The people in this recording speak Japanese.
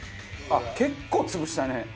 あっ結構潰したね。